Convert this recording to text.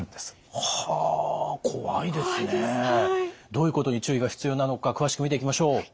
どういうことに注意が必要なのか詳しく見ていきましょう。